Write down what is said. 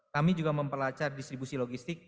kami juga mempelacar distribusi logistik